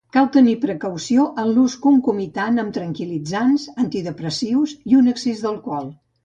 Cal tenir precaució en l'ús concomitant amb tranquil·litzants, antidepressius o un excés d'alcohol.